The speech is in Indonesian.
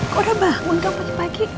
kok udah bangun kamu pagi pagi